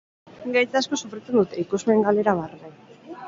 Gaitz asko sufritzen dute, ikusmen galera barne.